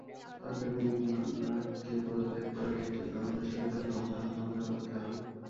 তাঁর দাবি, ইংলাককে পদত্যাগ করে একটি গণপরিষদের কাছে ক্ষমতা হস্তান্তর করতে হবে।